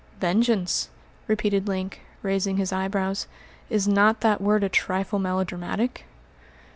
"Vengeance!" repeated Link, raising his eyebrows. "Is not that word a trifle melodramatic?"